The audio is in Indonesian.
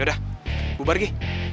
udah bubar gi